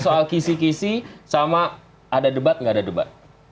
soal kisi kisi sama ada debat gak ada debat